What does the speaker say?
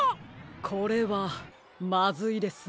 これはまずいですね。